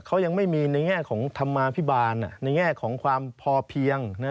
เขายังไม่มีในแง่ของธรรมาภิบาลในแง่ของความพอเพียง